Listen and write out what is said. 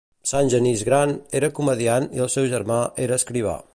Sant Genís gran era comediant i el seu germà era escrivà.